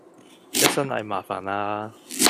一身蟻麻煩啦